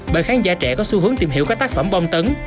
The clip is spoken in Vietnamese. bởi khán giả trẻ có xu hướng tìm hiểu các tác phẩm bon tấn